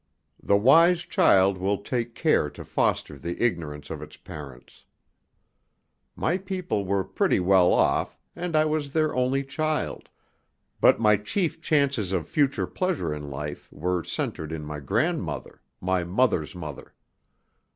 The wise child will take care to foster the ignorance of its parents. My people were pretty well off, and I was their only child; but my chief chances of future pleasure in life were centred in my grandmother, my mother's mother.